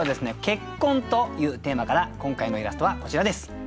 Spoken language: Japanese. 「結婚」というテーマから今回のイラストはこちらです。